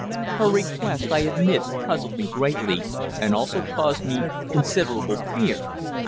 Her request, I admit, puzzled me greatly, and also caused me considerable fear.